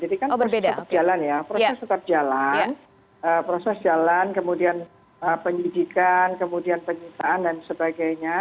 jadi kan proses tetap jalan ya proses tetap jalan proses jalan kemudian penyidikan kemudian penyusupan dan sebagainya